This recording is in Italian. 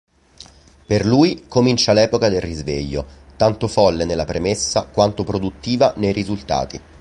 Per lui comincia l'epoca del risveglio, tanto folle nella premessa quanto produttiva nei risultati.